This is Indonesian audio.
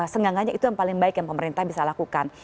senggangannya itu yang paling baik yang pemerintah bisa lakukan